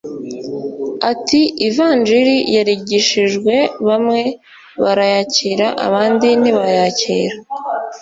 Ati “Ivanjili yarigishijwe bamwe barayakira abandi ntibayakira